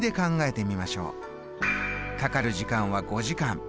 かかる時間は５時間。